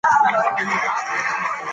خړه مرغۍ په سپېرو خاورو کې راولوېده.